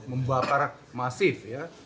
membakar masif ya